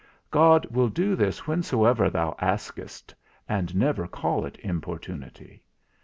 God will do this whensoever thou askest, and never call it importunity.